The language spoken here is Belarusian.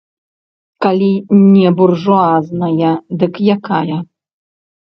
Калі не буржуазная, дык якая?